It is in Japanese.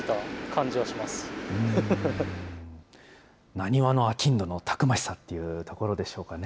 浪速のあきんどのたくましさというところでしょうかね。